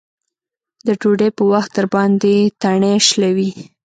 د ډوډۍ په وخت درباندې تڼۍ شلوي.